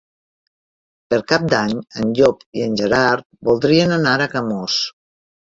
Per Cap d'Any en Llop i en Gerard voldrien anar a Camós.